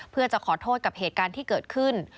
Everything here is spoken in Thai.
เพื่อจะขอโทษกับเหตุการณ์ที่เกิดขึ้น